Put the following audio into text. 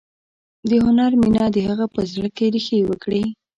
د هنر مینه د هغه په زړه کې ریښې وکړې